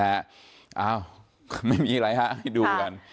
เอ้าไม่มีอะไรฮะดูกัน